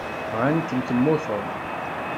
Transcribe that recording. Bɣan-kem temmuteḍ.